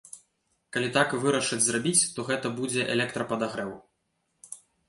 Калі так вырашаць зрабіць, то гэта будзе электрападагрэў.